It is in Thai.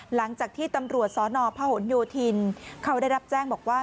หลังจากที่ตำรวจสนพหนโยธินเขาได้รับแจ้งบอกว่า